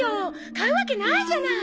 買うわけないじゃない！